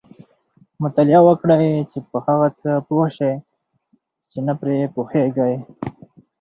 مطالعه وکړئ! چي په هغه څه پوه سئ، چي نه پرې پوهېږئ.